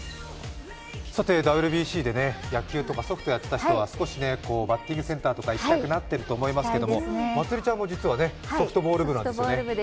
ＷＢＣで野球とかソフトをやっていた人たちは少しバッティングセンターとか行きたくなってると思いますけどまつりちゃんも実はソフトボール部だったんですね。